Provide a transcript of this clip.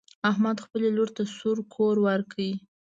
احمد خپلې لور ته سور کور ورکړ.